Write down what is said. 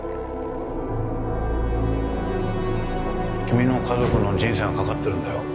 君の家族の人生がかかってるんだよ